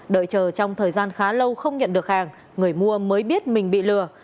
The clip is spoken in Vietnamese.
đợi chờ trong thời gian khá lâu không nhận được hàng người mua mới biết mình bị lừa